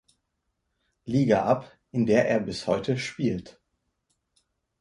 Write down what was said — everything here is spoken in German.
Liga ab, in der er bis heute spielt.